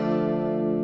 gak ada yang peduli